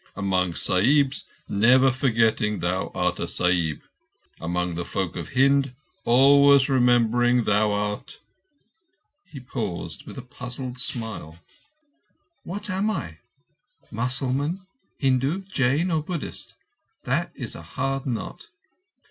Among Sahibs, never forgetting thou art a Sahib; among the folk of Hind, always remembering thou art—" He paused, with a puzzled smile. "What am I? Mussalman, Hindu, Jain, or Buddhist? That is a hard knot."